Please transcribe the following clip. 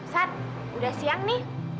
san udah siang nih